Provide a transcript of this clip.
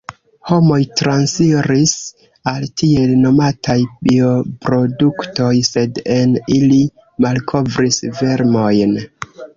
Homoj transiris al tiel nomataj bioproduktoj – sed en ili malkovris vermojn.